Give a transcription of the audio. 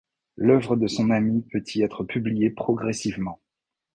L'œuvre de son ami peut y être publiée progressivement.